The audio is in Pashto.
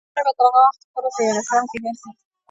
نجونې به تر هغه وخته پورې په یونیفورم کې ګرځي.